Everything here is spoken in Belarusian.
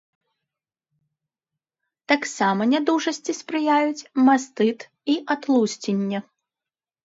Таксама нядужасці спрыяюць мастыт і атлусценне.